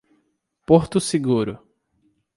Porto Seguro